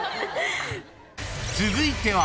［続いては］